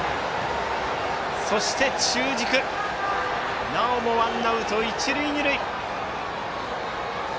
そして中軸なおもワンアウト一塁二塁。